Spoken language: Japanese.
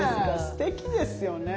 すてきですよね。